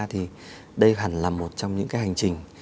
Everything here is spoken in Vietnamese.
thì đây hẳn là một trong những cái hành trình